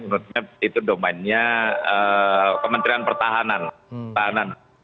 menurutnya itu domainnya kementerian pertahanan